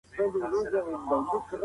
زه خپل وېښتان مینځم.